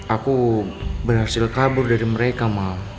aku berhasil kabur dari mereka mau